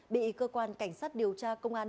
bị cơ quan cảnh sát điều tra công an